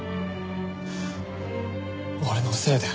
俺のせいで。